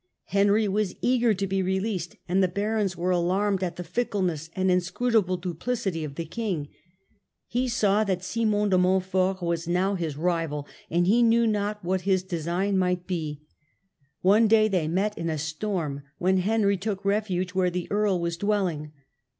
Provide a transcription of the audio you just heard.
Henry was eager to be released, and the barons were alarmed "at the fickleness and inscrutable duplicity of the king ". He saw that Simon de Montfort was now his rival, and he knew not what his design might be. One day they met in a storm, when Henry took refuge where the earl was dwelling.